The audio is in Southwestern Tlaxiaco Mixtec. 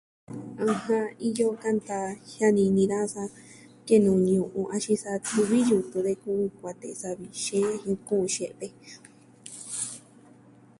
Ajan, iyo kanta jiani ni da saa. Kee nuu ñu'un axin sa tuvi yutun de kuun kuatee savi xeen jin kuun xe've.